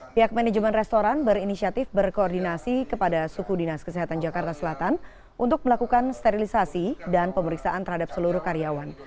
pihak manajemen restoran berinisiatif berkoordinasi kepada suku dinas kesehatan jakarta selatan untuk melakukan sterilisasi dan pemeriksaan terhadap seluruh karyawan